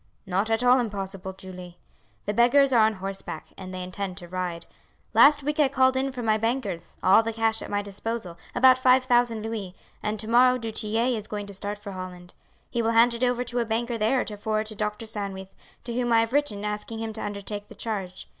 "Not at all impossible, Julie. The beggars are on horseback, and they intend to ride. Last week I called in from my bankers, all the cash at my disposal, about five thousand louis, and to morrow du Tillet is going to start for Holland. He will hand it over to a banker there to forward to Dr. Sandwith, to whom I have written asking him to undertake the charge.